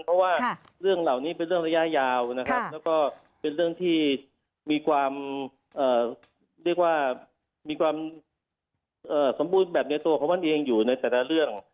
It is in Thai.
เพราะว่าเรื่องเหล่านี้เป็นเรื่องระยะยาวนะครับแล้วก็เป็นเรื่องที่มีความเรียกว่ามีความสมบูรณ์แบบในตัวของมันเองอยู่ในแต่ละเรื่อง